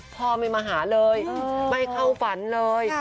พ่อไม่มาหาเลยไม่เข้าฝันเลย